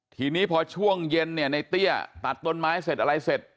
ทีนี้พอช่วงเย็นเนี่ยในเตี้ยตัดต้นไม้เสร็จอะไรเสร็จ